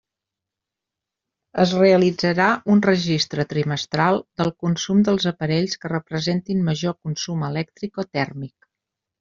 Es realitzarà un registre trimestral del consum dels aparells que representin major consum elèctric o tèrmic.